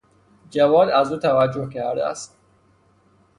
جواد از او توجه کرده است.